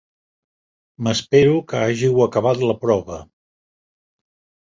M'espero que hàgiu acabat la prova.